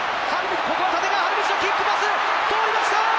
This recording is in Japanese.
ここは立川理道のキックパス、通りました！